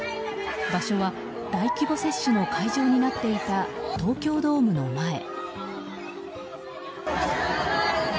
場所は大規模接種の会場になっていた東京ドームの前。